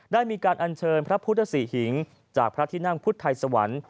ได้มีการอัญเชิญพระพุทธศรีหิงจากพระที่นั่งพุทธไทยสวรรค์